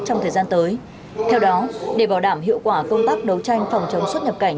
trong thời gian tới theo đó để bảo đảm hiệu quả công tác đấu tranh phòng chống xuất nhập cảnh